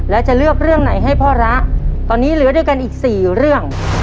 แล้วจะเลือกเรื่องไหนให้พ่อระตอนนี้เหลือด้วยกันอีก๔เรื่อง